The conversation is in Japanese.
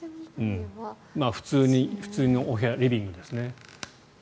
普通のお部屋、リビングですね。